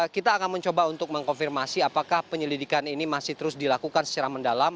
kita akan mencoba untuk mengkonfirmasi apakah penyelidikan ini masih terus dilakukan secara mendalam